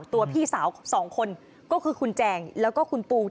พี่สาวสองคนก็คือคุณแจงแล้วก็คุณปู